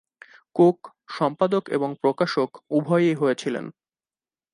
Cook সম্পাদক এবং প্রকাশক উভয়ই হয়েছিলেন।